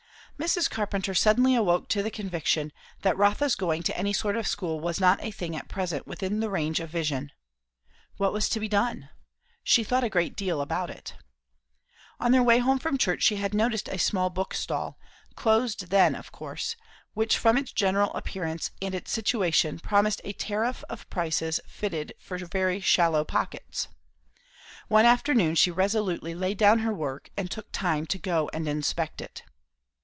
Mrs. Carpenter suddenly awoke to the conviction, that Rotha's going to any sort of school was not a thing at present within the range of vision. What was to be done? She thought a great deal about it. On their way to and from church she had noticed a small bookstall, closed then of course, which from its general appearance and its situation promised a tariff of prices fitted for very shallow pockets. One afternoon she resolutely laid down her work and took time to go and inspect it.